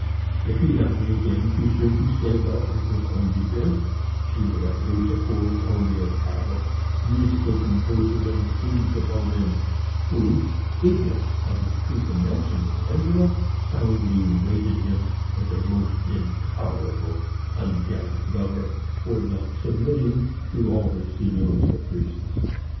If he now and again presumed to stand up in his own defence, she let loose a whole army of abbots, musical composers, and students upon him, who, ignorant of his true connection with Angela, soundly rated him as a most intolerable, ungallant lover for not submitting to all the Signora's caprices.